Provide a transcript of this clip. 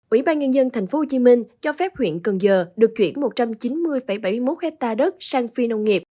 ủy ban nhân dân tp hcm cho phép huyện cần giờ được chuyển một trăm chín mươi bảy mươi một hectare đất sang phi nông nghiệp